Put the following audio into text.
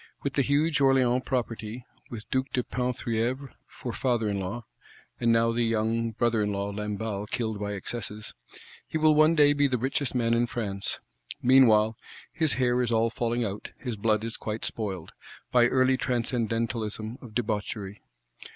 With the huge Orléans Property, with Duke de Penthievre for Father in law (and now the young Brother in law Lamballe killed by excesses),—he will one day be the richest man in France. Meanwhile, "his hair is all falling out, his blood is quite spoiled,"—by early transcendentalism of debauchery.